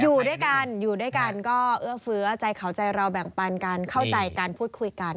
อยู่ด้วยกันอยู่ด้วยกันก็เอื้อเฟื้อใจเขาใจเราแบ่งปันกันเข้าใจกันพูดคุยกัน